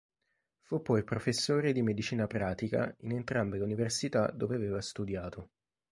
Fu poi professore di medicina pratica in entrambe le università dove aveva studiato.